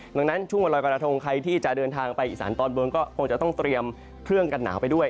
ดังนั้นช่วงวันรอยกระทงใครที่จะเดินทางไปอีสานตอนบนก็คงจะต้องเตรียมเครื่องกันหนาวไปด้วย